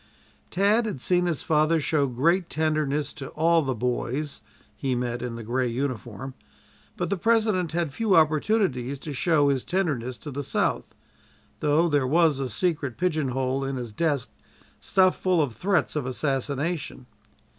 Tad had seen his father show great tenderness to all the "boys" he met in the gray uniform, but the President had few opportunities to show his tenderness to the South though there was a secret pigeonhole in his desk stuffed full of threats of assassination.